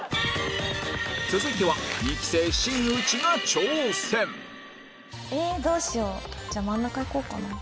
続いては２期生えどうしよう真ん中いこうかな。